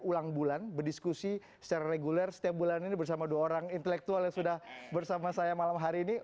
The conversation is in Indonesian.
ulang bulan berdiskusi secara reguler setiap bulan ini bersama dua orang intelektual yang sudah bersama saya malam hari ini